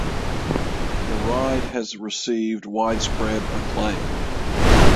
The ride has received widespread acclaim.